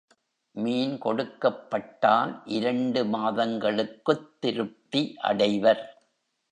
மீன் கொடுக்கப்பட்டால் இரண்டு மாதங்களுக்குத் திருப்தி அடைவர்.